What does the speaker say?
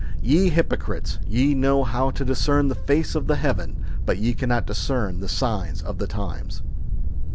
Ye hypocrites, ye know how to discern the face of the heaven ; but ye cannot discern the signs of the times.